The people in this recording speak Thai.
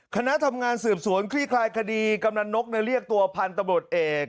คณะทำงานสืบสวนคลี่คลายคดีกำลังนกในเรียกตัวพันธบทเอก